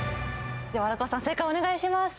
では荒川さん正解をお願いします